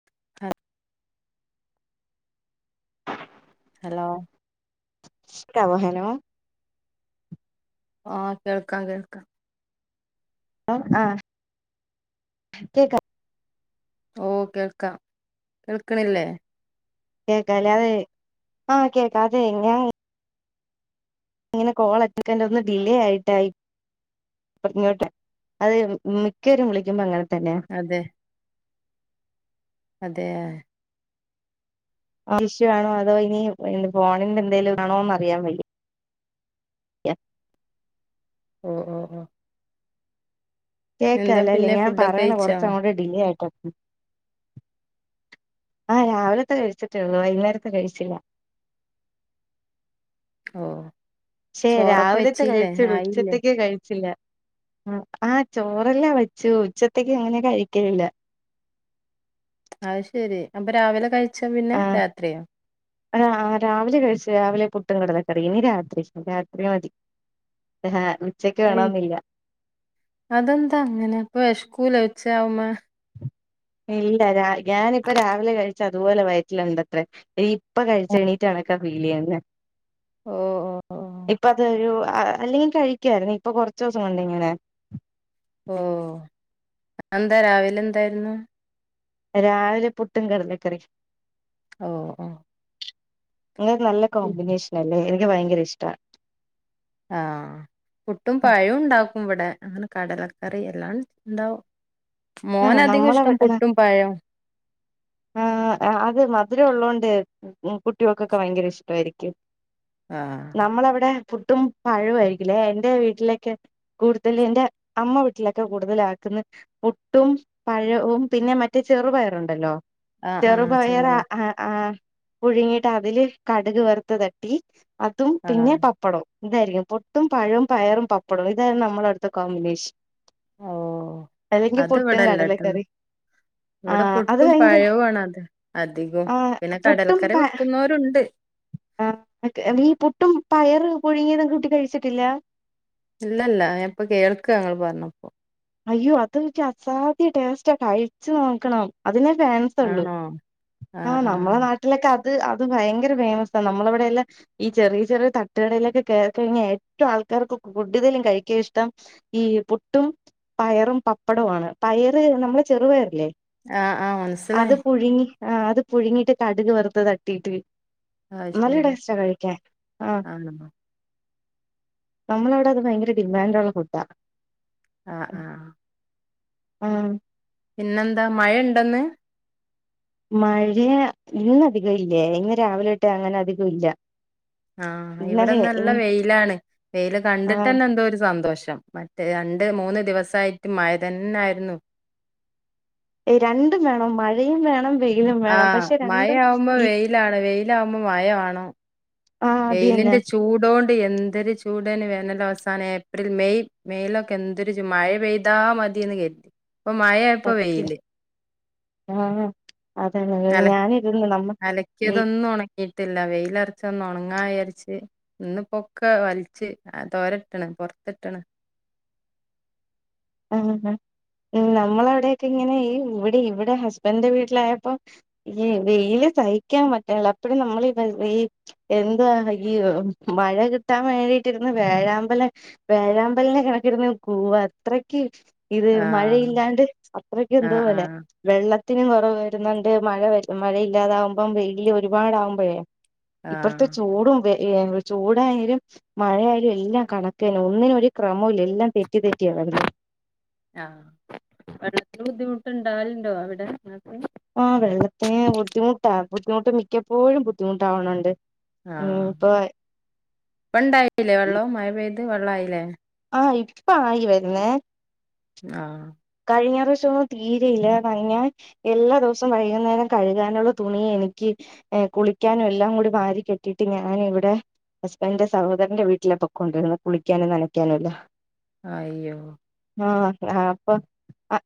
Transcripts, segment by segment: [inaudible] Hello hello hello ആഹകേൾക്കാം കേൾക്കാ ആ ക്ക ഓ കേൾക്കാം കേൾക്കണില്ലേ. കേക്കലെ അത് ആ കേക്കാം അതെയ് ഇങ്ങനെ കോൾ [unintelligible] ഒന്ന് ഡിലേ ആയിട്ടായി ഇങ്ങോട്ടെ അത് മിക്കവരും വിളിക്കുമ്പോ ഇങ്ങനെ തന്നെ. അതെ അതേ ആ ഇഷ്യു ആണോ അതോ ഇനി ഫോണിന്റെ എന്തേലും ആണോന്നറിയാൻ വയ്യ ഓ ഓ ഓ എന്താ കേക്കല്ലല്ലേ പിന്നെ ഞാൻ ഫുഡൊക്കെ പറയണ് കഴിച്ചോ കൊറച്ചങ്ങോട്ട് ഡിലേ ആയിട്ട ആ, രാവിലത്തെ കഴിച്ചിട്ടേയൊള്ളൂ വൈന്നേരത്തെ കഴിച്ചില്ല. ഓ ക്ഷേ ചോറൊക്കെ രാവിലത്തെ വെച്ചില്ലേ കഴിച്ചൊള്ളൂ ആയില്ലേ ഉച്ചത്തേക്ക് കഴിച്ചില്ല. അ ആ ചോറെല്ലാം വെച്ചു ഉച്ചത്തേക്ക് അങ്ങനെ കഴിക്കലില്ല. അഹ്ശെരി അപ്പൊ രാവിലെ കഴിച്ച പിന്നെ ആഹ് രാത്രിയൊ? രാവിലെ കഴിച്ചു രാവിലെ പുട്ടും കടലക്കറി ഇനി രാത്രി രാത്രി മതി ഹാ ഉച്ചക്ക് അയ് വേണോന്നില്ല. അതെന്താ അങ്ങനെ അപ്പൊ വെശക്കൂലേ ഉച്ചയാവുമ്പോ ഇല്ല ഞാനിപ്പ രാവിലെ കഴിച്ച അതുപോലെ വയറ്റിലത്ണ്ടത്രെ ഇപ്പൊ കഴിച്ച എണീട്ടകണക്കാ ക്ക ഫീൽ ചെയ്യ്ന്നെ ഓ ഓ ഓ ഇപ്പ അതൊരു. അല്ലെങ്കിൽ കഴിക്കായിരുന്നു ഇപ്പൊ കൊറച്ച് ദിവസം കൊണ്ടാ ഇങ്ങനെ. ഓ അതെന്താ രാവിലെ എന്തായിരുന്നു രാവിലെ പുട്ടും കടലക്കറിം. ഓ ഓ [unintelligible] നല്ല കോമ്പിനേഷൻ അല്ലേ എനിക്ക് ഭയങ്കര ഇഷ്ട ആഹ് പുട്ടും പയോം ണ്ടാക്കും ഇവിടെ, അങ്ങനെ കടലക്കറി എല്ലാം ഇണ്ടാവും. ആ നമ്മളെവിടെണ് [inaudible] ആ അത് മധുരം ഉള്ളതോണ്ട് കുട്ടിയോൾക്കൊക്കെ ഭയങ്കര ഇഷ്ടവായിരിക്കും. ആഹ് നമ്മളവിടെ പുട്ടും പഴവും ആയിരിക്കില്ലേ, എന്റെ വീട്ടിലൊക്കെ. കൂടുതൽ എന്റെ അമ്മ വീട്ടിലൊക്കെ കൂടുതല ആക്ക്ന്ന്. ട്ടും പഴവും പിന്നെ മറ്റേ ചെറുപയറുണ്ടല്ലോ ആഹ് ആഹ് ചെറുപയർ ആ ആ, പുഴുങ്ങിട്ട് അതില് കടുക് വെറുത്ത് തട്ടി അതും പിന്നെ ആഹ് പ പപ്പടവും ഇതായിരിക്കും പൊട്ടും പഴവും പയറും പപ്പടവും ഇതായിരുന്നു നമ്മള അടുത്ത കോമ്പിനേഷൻ ഓ അല്ലെങ്കി അത് പുട്ടും ഇവിടെല്ലട്ടോ കടലക്കറിം ഇവിടെ പുട്ടും പഴവും ആണ് അത് അധികോം ആ പിന്നെ കടലക്കറി വെക്കുന്നവരുണ്ട് ആ ന്നിട്ട് പുട്ടും പയറ് പുഴുങ്ങിയതും കൂട്ടി കഴിച്ചിട്ടില്ല ഇല്ലല്ല ഞ പ്പൊ കേൾക്ക ഇങ്ങള് പറഞ്ഞപ്പോ അയ്യോ അത് [unintelligible] അസാധ്യ ടേസ്റ്റാ കഴിച്ചു നോക്കണം അതിനെ ആണോ ആ ആഹ് ആഹ് നമ്മളെ നാട്ടിലൊക്കെ അത് അത് ഭയങ്കര ഫേമസ് ആ നമ്മളവിടെല്ലാം ഈ ചെറിയ ചെറിയ തട്ടുകടയിലൊക്കെ കേറി കഴിഞ്ഞാൽ ഏറ്റവും ആൾക്കാർക്ക് കൂടുതലും കഴിക്കാൻ ഇഷ്ടം ഈ പുട്ടും പയറും പപ്പടോആണ് പയറ് നമ്മളെ ചെറുപയറില്ലേ ആഹ് ആഹ് അത് മനസ്സിലായി പുഴുങ്ങി ആഹ് അത് പുഴുങ്ങിട്ട് കടുക് വറുത്തത് തട്ടീട്ട് അത് നല്ല ശരി ടേസ്റ്റാ കഴിക്കാൻ ആഹ് ആണോ നമ്മള അവിടെ അത് ഭയങ്കര ഡിമാൻ് ഉള്ള ഫുഡാ ആഹ് ആഹ് ആഹ് പിന്നെന്താ മഴ ഇണ്ടോന്ന് മഴയ ഇന്ന് അധികം ഇല്ലേ ഇന്ന് രാവിലെ തൊട്ട് അങ്ങനെ അധികം ഇല്ല ആഹ് ഇവിടെ ഇന്നലെ ഇ വെയിലാണ് വെയിയില് കണ്ടിട്ട് ആഹ് തന്നെ എന്തോ ഒരു സന്തോഷം രണ്ട് മൂന്ന് ദിവസമായിട്ട് മയതന്ന ആയിരുന്നു രണ്ടും വേണം മഴയും വേണം വെയിലും ആ വേണം പക്ഷെ മഴ രണ്ടും ആവുമ്പോൾ ഈ വെയിൽ വേണം മഴ ആകുമ്പോ വെയിൽ വേണം ആഹ് അത് തന്നെ വെയിലിന്റെ ചൂടോണ്ട് എന്തൊരു ചൂടേനി വേനൽ അവസാനം ഏപ്രിൽ മെയ് മേയിലൊക്കെ എന്തൊരു ചൂടാ മഴ പെയ്താ മതിയന്ന് കരുതി ഇപ്പം മഴേ സത്യം ആ അതാണ് അല ഞാനിരുന്ന് നമ്മ ഈ ഇീട്ടില്ല വെയില അരച്ച ഒന്ന് ഉണങ്ങാ വിചാരിച്ച് ഇന്ന് പൊക്ക വലിച്ചു തോരട്ടണ് പുറത്തിട്ട്ണ് ആ നമ്മള അവിടെക്കെ ഇങ്ങനെ ഇവിടെ ഇവിടെ ഹസ്ബന്റ് ന്റെ വീട്ടിലായപ്പോ ഈ വെയില് സഹിക്കാൻ പറ്റ്ണില്ല അപ്പഴും നമ്മൾ ഈ വെയിൽ എന്തവാ ഈ മഴ കിട്ടാൻ വേണ്ടിട്ടിരന്ന് വേഴാമ്പലം വേഴാമ്പലിന്റെ കണക്കെടുന്ന് നിക്കൂ അത്ര അത്രക്ക് ഇത് ആഹ് മഴയില്ലാണ്ട് അത്രക്കെ എന്തോ ആഹ് പോലെ ആഹ് വെള്ളത്തിനും കുറവ് വരുന്നുണ്ട് മഴ മഴയില്ലാതാവുമ്പം വെയില് ഒരുപാട് ആകുമ്പോഴേ ഇപ്പഴത്തെ ആഹ് ചൂടും ഏ ചൂടായാലും മഴയാലും എല്ലാം കണക്കേന ഒന്നിനും ഒരു ക്രമവുംല്ല എല്ലാം തെറ്റി തെറ്റിയാണ് അതില് ആഹ് വെള്ളത്തിന് ബുദ്ധിമുട്ടുണ്ടാവലുണ്ടോ അവിടെ അ ആഹ് വെള്ളത്തിന് ബുദ്ധിമുട്ടാ ബുദ്ധിമുട്ട് മിക്കപ്പോഴും ബുദ്ധിമുട്ടാവണണ്ട് ഉം ആഹ് ഇപ്പൊ ഇപ്പണ്ടായില്ലേ വെള്ളവും മഴ പെയ്ത് വെള്ളമായില്ലേ ആ ഇപ്പ ആയി വരുന്നേ ആഹ് കഴിഞ്ഞ പ്രാവശ്യം ഒന്നും തീരെയില്ല കഴിഞ്ഞ എല്ലാ ദിവസം വൈകുന്നേരം കഴുകാനുള്ള തുണി എനിക്ക് കുളിക്കാനും എല്ലാം കൂടി വാരി കെട്ടിട്ട് ഞാനിവിടെ ഹസ്ബന്റ് ന്റെ സഹോദരന്റെ വീട്ടിലെ പൊകൊണ്ടിരുന്ന് കുളിക്കാനും നനക്കാനും എല്ലാം അയയ്യോ ആഹ് ആ അപ്പൊ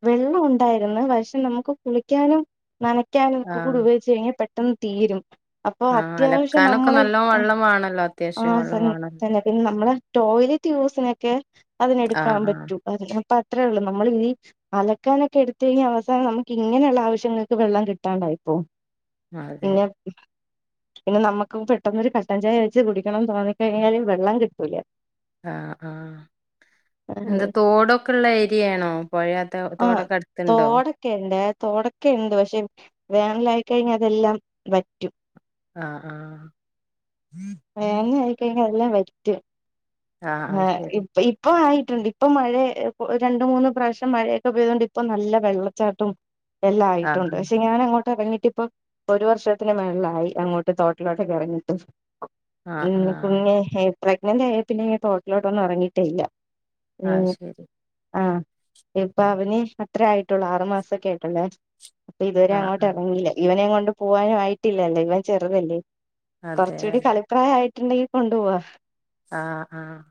വെള്ളം ഉണ്ടായിന്ന് പക്ഷെ നമുക്ക് കുളിക്കാനും നനയ്ക്കാനും ഒക്കെ ആഹ് കൂടി ഉപയോഗിച്ച് കഴിഞ്ഞാൽ പെട്ടെന്ന് തീരും അപ്പൊ ആഹ് അത്യാവശ്യം അലക്കാനൊക്കെ നമ്മളെ നല്ലോ ആ വെള്ളം വേണല്ലോ അത്യാവശ്യം വെള്ളം വേണല്ലോ ആവശ്യത്തിന് പിന്നെ നമ്മളെ ടോയ്ലറ്റ് യൂസിനൊക്കെ അതിനെടുക്കാൻ ആഹ് പറ്റൂ അതി അപ്പ അത്രേ ഉള്ളൂ നമ്മൾ ഈ അലക്കാനൊക്കെ എടുത്ത് കഴിഞ്ഞാൽ അവസാനം നമുക്ക് ഇങ്ങനെയുള്ള ആവശ്യങ്ങൾക്ക് വെള്ളം കിട്ടാണ്ട ആയി പോകും. ആഹ് അതെ പിന്നെ പിന്നെ നമുക്ക് പെട്ടെന്നൊരു കട്ടൻ ചായ വെച്ച് കുടിക്കണംന്ന് തോന്നി കഴിഞ്ഞാല് വെള്ളം കിട്ടൂല. ആഹ് ആഹ് എന്താ തോടൊക്കെള്ള ഏരിയാണോ. പൊഴ തോടെക്കെ അടുത്തുണ്ടോ. തോട് ഒക്കെണ്ട് തോടൊക്കെണ്ട് പക്ഷെ വേനലായിക്കഴിഞ്ഞാ അതെല്ലാം വറ്റും. ആഹ് ആഹ് പ്പയ്നെല്ലാം വറ്റും. ആഹ് അത് ഏഹ് ശരി ഇപ്പൊ ഇപ്പ ആയിട്ടുണ്ട് ഇപ്പൊ മഴയ രണ്ട് മൂന്ന് പ്രാവശ്യം മഴയൊക്കെ പെയ്തതൊണ്ട് ഇപ്പൊ നല്ല വെള്ളച്ചാട്ടം. എല്ലാം ആഹ് ആയിട്ടുണ്ട്. പക്ഷെ ഞാൻ അങ്ങോട്ട് വൈട്ട.. ഇപ്പൊ ഒരു വർഷത്തിന് മേളിലായി അങ്ങോട്ട് തോട്ടിലോട്ട ക എറങ്ങിട്ട്. ഉ ആഹ് ആഹ് കുഞ് പ്രഗ്നന്റ് ആയ പിന്നെങ്ങ തൊട്ട്ലോട്ട്ന്നും എറങ്ങീയിട്ടല്ല. ആഹ് ശരി ആഹ് ഇപ്പ അവന് അത്ര ആയിട്ടുള്ളൂ ആറു മാസംക്കെ ആയിട്ടുള്ളേ. അപ്പൊ ഇതുവരെ ആഹ് ആഹ് അങ്ങോട്ടറങ്ങില്ല. ഇവനങ്ങോണ്ട് പോവാനും ആയിട്ടില്ലല്ലോ ഇവൻ ചെറുതല്ലേ. അതെ കുറചൂടി അതെ കളിപ്രായയിട്ടുണ്ടെങ്കിൽ കൊണ്ടുപോവാ. ആഹ് ആഹ്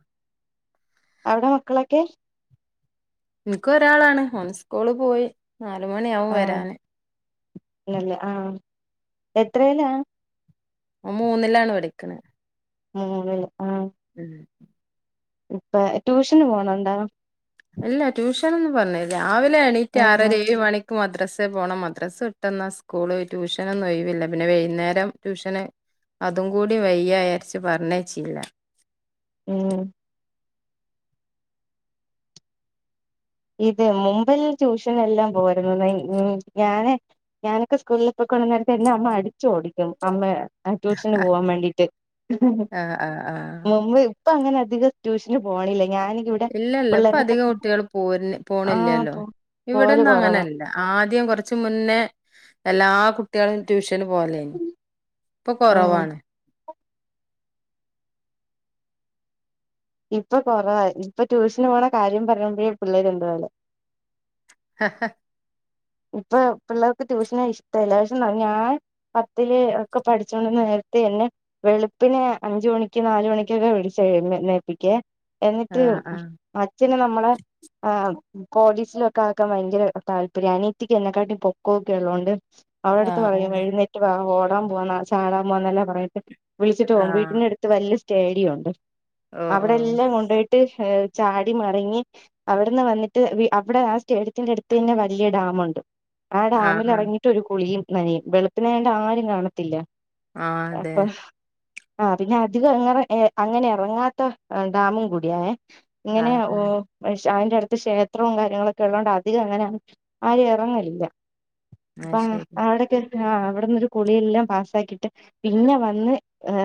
അവിടെ മക്കളൊക്കെ ഇൻക്ക് ഒരാളാണ്. ഓൻ സ്കൂള് പോയി നാല മണിആവും വരാന്. അല്ലല്ലേ ആഹ് എത്രലാ. ഓ മൂന്നിലാണ് പടിക്കണത്. മൂന്നില് ആഹ് ഉം ഇപ്പ ട്യൂഷന് പോണണ്ടോ അല്ല. ട്യൂഷൻ എന്ന് പറഞ്ഞ രാവിലെ എണീറ്റ് ആറര ആഹ് ഏഴ് മണി. ഇപ്പൊ മദ്രാസ പോണം മദ്രാസ് വിട്ടന്നാ സ്കൂള് ട്യൂഷനൊന്നും ഒഴിവില്ല പിന്നെ വൈന്നേരം ട്യൂഷന്. അതും കൂടി വയ്യയാരിച്ച പറഞ്ഞേച്ചില്ല ഉം ഇത് മുമ്പിൽ ട്യൂഷൻ എല്ലാം പോയിരുന്നു ഞാന്. ഞാനൊക്കെ സ്കൂളിൽ പോയിക്കണ നേരത്തെ എന്റെ അമ്മ അടിച്ച് ഓടിക്കും അമ്മ. ആ ട്യൂഷന് പോവാൻ വേണ്ടിട്ട് ആഹ് ആഹ് ആഹ് മുമ്പ്. ഇപ്പൊ അങ്ങനെധികം ട്യൂഷന് പോണില്ല ഞാന്. ഇല്ല ല്ല ഇപ്പൊ അധികം കുട്ടിൾ പോ ആഹ് പോണില്ലല്ലോ പോ പോവല് ഇവിടെന്നും കൊറവാ അങ്ങനല്ല. ആദ്യം കൊറച്ച് മുന്നേ എല്ലാ കു കുട്ടിളും ട്യൂഷന് പോലെന് ഇപ്പൊ ആഹ് കൊറവാണ്. ഇപ്പൊ കൊറവ ഇപ്പൊ ട്യൂഷന് പോണ കാര്യം പറയുമ്പോഴേ പിള്ളേര് എന്തോ പോലെ ആ ഇപ്പൊ പിള്ളേർക്ക് ട്യൂഷന ഇഷ്ടല്ല പക്ഷെ ഞാൻ. പത്തില് ഒക്കെ പഠിച്ചോണ്ടന്ന് നേരത്തെന്നെ വെളുപ്പിനെ അഞ്ച മണിക്ക് നാല് മണിക്കൊക്കെ വിടിച്ച ന്നേയ്നേപ്പിക്കേ. എന്നിട്ട് ആഹ് ആഹ് മ അച്ഛന് നമ്മളെ ആ കോളീസിലൊക്കെ ആക്കാൻ ഭയങ്കര താല്പര്നി റ്റക്ക് എന്നെക്കാട്ടി പൊക്കൊ ഒക്കെ ഉള്ളതൊണ്ട് അവടെ അടു ത്ത്‌ ആഹ് പറയും ആഹ് എഴുനേറ്റ് ഓടാ പോകാ ചാടാൻ പോവാന്നല്ല പറഞ്ഞട്ട് വിളിച്ചട്ട് പോകോ ആഹ് വീനെ എടു വലിയ സ്റ്റേഡിയം ഉണ്ട് ഓഹ് അവിടെ ഓഹ് എല്ലാം കൊണ്ട പോയിട്ട് ചാടി മറങ്ങി അവിടെന്ന് വന്നിട്ട് അവിടെ ആ സ്റ്റേഡിയത്തിറ അടുത്ത് തന്നെ വലിയ ഡാമുണ്ട്. ആ ആഹ് ആഹ് ഡാമിലിറങ്ങിയിട്ട് ഒരു കുളിയും നനിയയും വെളുപ്പിനായണ്ട് ആരും കാണ ത്തില്ല ആഹ് അതെ അപ്പൊ. ആഹ് പിന്നെ അധികം അങ്ങരെ ഏഹ് അങ്ങനെ എറങ്ങാത്ത ഡാമും കൂടിയായേ. ഇങ്ങനെ ആഹ് ഓ ആഹ് അതിന്റെ അടുത്ത് ക്ഷേത്രവും കാര്യങ്ങളൊക്കെ ഉള്ളതോണ്ട് അധികം അങ്ങനെ ആര്. ഇങ്ങല്ല അപ്പ അത് ശരി അവിടക്കെ ആഹ് അവിട്ന്നൊരു കുളിയെല്ലാം പാസ്സാക്കീട്ട് പിന്നെ വന്ന്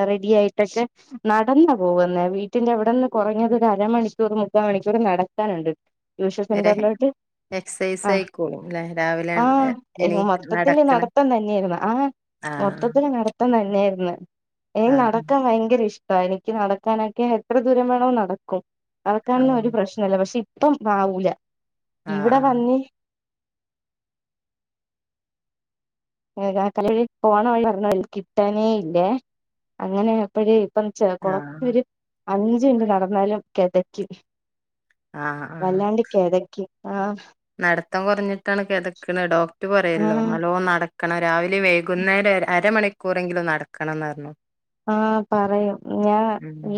റെഡി ആയിട്ടൊക്കെ ന്നടന്നാ പോകുന്നെ വീട്ടിന്റെ വടെന്ന് കൊറഞ്ഞത് ഒരു അരമണിക്കൂർ മുക്കാ മണിക്കൂറ് ന്നടക്കാനുണ്ട്. ട്ടൂഷെൻ സെന്റർലോട്ട് ആഹ് കൂളിങ്ലേ രാവി ആഹ് മൊത്തത്തില് നടത്തം തന്നെയേര്ന്നു ആഹ് ആഹ് മൊത്തത്തില് നട ഇപ്പം തന്നെയായിരുന്നു ഇനി ആഹ് ന്നടക്കാം ഭയങ്കര ഇഷ് എനിക്ക് ന്നടക്കാനൊക്കെ എത്ര ദൂരം വേണോ ന്നടക്കും ഓ ന്നടക്കാനോന്നും ഒരു പ്രശ് പക്ഷെ ഇപ്പം ആവൂല ഇവടെ ആഹ് വന്ന് [unintelligible] [unintelligible] കിട്ടാനേ ഇല്ലേ അങ്ങനെ അപ്പഴേയ് പ്പം ചെ ആഹ് ആഹ് കൊറച്ചരു അഞ്ച് മിനിറ്റ് ന്നടന്നാലും കെതക്കും. ആഹ് വല്ലാണ്ട് കെതക്കും ആഹ്. ന്നടത്തം കൊറഞ്ഞിട്ടാണ് കെതക്ക്നത് ഡോക്ടറ് പറയല്ലോ ആഹ് ന്നല്ലോം ന്നടക്കണം രാവി വൈകുന്നേരം അരമണിക്കൂറെങ്കിലും ന്നടക്കണം ന്നർഞ്ഞു. ആഹ് പറയും ഞാ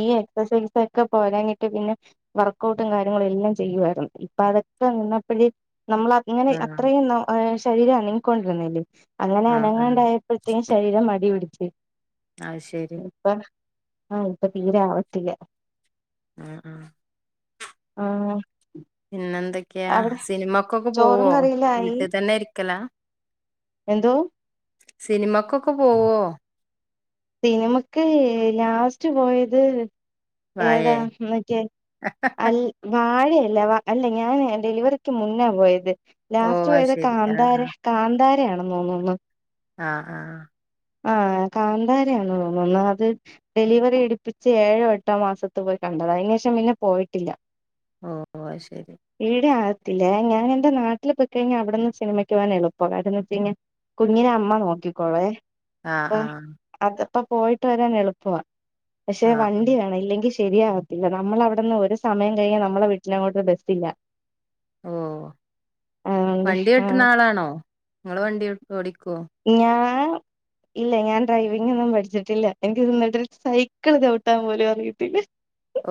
ഈ എക്സസൈസൊക്കെ പോരാഞ്ഞിട്ട് പിന്നെ വർകൗട്ടും കാര്യങ്ങളും എല്ലാം ചെയ്യുവായിരുന്നു ഇപ്പ അതൊക്കെ നിന്നപ്പഴ് ന്നമ്മളാ ഇങ്ങനെ ആഹ് അത്രയും ശരീരം അനങ്ങിക്കൊണ്ടിരുന്നില്ലേ അങ്ങനെ ആഹ് ആഹ് അനങ്ങാണ്ടായ അപ്പഴ്ത്തേ ശരീരം മടി പിടിച്ച്. അഅ്‌ ശെ ഇപ്പ ആഹ് ഇപ്പ തീരേ ആവത്തില്ലാ. ആഹ് ആഹ്. ആഹ്. പിന്നെ എന്തൊക്കെയാ അവിടെ സിനിമക്കൊക്കെ ചോറും പോവ്വോ കറിയിലായി വീട്ട് തന്നെ ഇരിക്കലാ? എന്തോ? സിനിമക്കൊക്കെ പോവുഓ? സിനിമക്ക് ലാസ്റ്റ് പോയത് ഏതാ വാഴേ മറ്റേ അൽ വാഴയല്ലാ വ അല്ല ഞാന് ഡെലിവറിക്ക് മുന്നാ പോയത്. ഓ ലാസ്റ്റ് അത് പോയത് ശരി ആഹ് കാന്താര കാന്താരയാണന്ന് തോന്ന്ന്നു. ആഹ് ആഹ്. ആഹ് കാന്താരയാണ് തോന്ന്ന്ന് അത് ഡെലിവറി ഇടിപ്പിച്ച് ഏഴോ എട്ടോ മാസത്ത് പോയി കണ്ടതാ അയ്നേഷം പിന്നെ പോയിട്ടില്ല. ഓഹ് അഅ്‌ ശെരി. ഇവിടെ ആവത്തില്ല ഞാ ഞാനെന്റെ നാട്ടില് പോയ് കയ്ഞാ അവടെന്ന് സിനിമയ്ക്ക് പോവാനെളുപ്പവാ [unintelligible] ച്ചയ്ഞ്ഞാ കുഞ്ഞിനെ അമ്മ ന്നോക്കിക്കോളേ. ആഹ് ആഹ്. അതപ്പോ പോയിട്ട് വരാൻ എളുപ്പവാ പക്ഷെ ആഹ് വണ്ടി വേണം ഇല്ലെങ്കി ശെരിയാവത്തില്ല ന്നമ്മള അവടന്ന് ഒരു സമയം കയ്ഞ്ഞാ ന്നമ്മളെ വീട്ടിനങ്ങോട്ട് ബസ് ഇല്ല. ഓഹ് ആഹ് വണ്ടി ഓട്ടുന്ന ആഹ് ആളാണോ ങ്ങള് വണ്ടി ഓ ഓടിക്കോ? ഞാൻ ഇല്ല ഞാൻ ഡ്രൈവിംങന്നും പഠിച്ച്ട്ടില്ല എനിക്ക് ഇതിന്നിട്ടരു സൈക്കിള് ചൗട്ടാൻ പോലും അറിയത്തില്ല.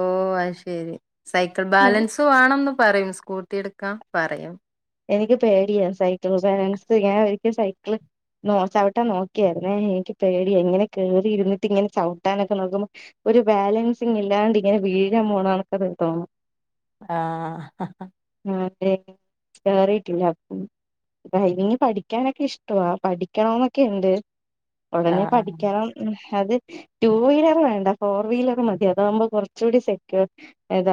ഓഹ് അഅ്‌ ശരി സൈക്ക്ൾ ആ ബാലൻസ് വാണന്ന് പറയും സ്കൂട്ടി ഇട്ക്കാം പറയും. എനിക്ക് പേടിയാ സൈക്ക്ൾ ബാലൻസ് ഞാ ഒരിക്കെ സൈക്ക്ള് നോ ചവ്ട്ടാൻ നോക്കിയാര്ന്നേ എനിക്ക് പേടിയായ് ഇങ്ങനെ കേറി ഇരുന്നിട്ട് ഇങ്ങനെ ചൗട്ടാനൊക്ക നോക്കുമ്പോ ഒരു ബാലൻസിംങ് ഇല്ലാണ്ട് ഇങ്ങനെ വീഴാൻ പോണണക്കത് തോന്നും. ആഹ്. ആ അതെ കേറിട്ടില്ല അ ഡൈവിങ്ങ് പഠിക്കാനൊക്കെ ഇഷ്ടവാ പഠിക്കണന്നൊക്കെ ഉണ്ട് ഉടനെ ആഹ് പഠിക്കണം അത് ടു വീലർ വേണ്ട ഫോർ വീലർ മതി അതാവുമ്പോ കുറച്ച കൂടി സെക്ക താ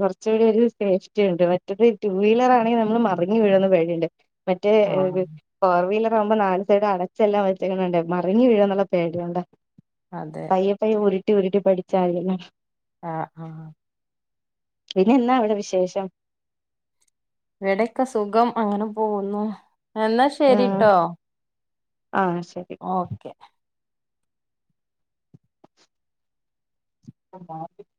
കുറച്ചുകൂടി ഒരു സേഫ്റ്റി ഉണ്ട് മറ്റത് ടു വീലർ ആണെങ്കിൽ മ മറിഞ്ഞ് വീഴുന്ന പേടിണ്ട് മറ്റേ ആഹ് ഏ ഫോർ വീലർ ആവുമ്പോ നാല് സൈഡ് അടച്ചെല്ലാം വെച്ചേക്കണണ്ട മറിഞ്ഞ് വീഴു എന്നുള്ള പേടിവേണ്ട അതെ പയ്യെ പയ്യ ഉരുട്ടി ഉരുട്ടി പഠിച്ചായിരുന്നു ആ പിന്നെ എന്നാ അവിടെ വിശേഷം? ഇവിടെക്കെ സുഖം അങ്ങനെ പോകുന്നു എന്നാ ആ ശരിട്ടോ. ആ ശരി ഓക്കെ. [inaudible]